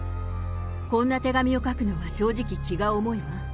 こんな手紙を書くのは正直気が重いわ。